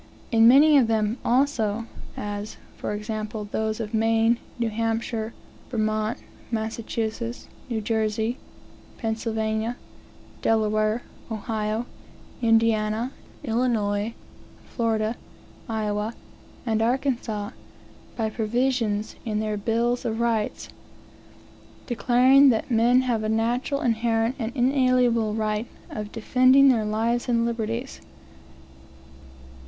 In many of them also, as, for example, those of Maine, New Hampshire, Vermont, Massachusetts, New Jersey, Pennsylvania, Delaware, Ohio, Indiana, Illinois, Florida, Iowa, and Arkansas, by provisions, in their bills of rights, declaring that men have a natural, inherent, and inalienable right of "defending their lives and liberties."